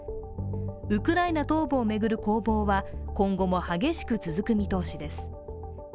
ウクライナ東部を巡る攻防は今後も激しく続く見通しです。